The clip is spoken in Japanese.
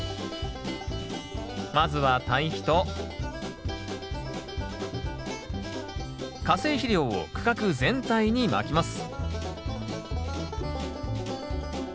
まずは堆肥と化成肥料を区画全体にまきます